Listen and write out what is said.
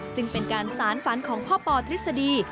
ซึ่งเป็นการสารฝันของพ่อปอทฤษฎี